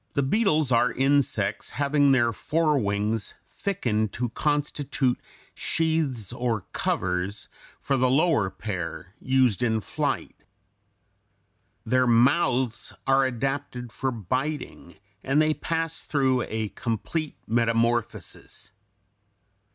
199) are insects having their fore wings thickened to constitute sheaths or covers for the lower pair, used in flight. Their mouths are adapted for biting, and they pass through a complete metamorphosis.